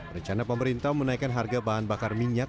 rencana pemerintah menaikkan harga bahan bakar minyak